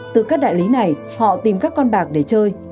từ các đại lý này họ tìm các con bạc để chơi